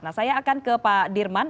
nah saya akan ke pak dirman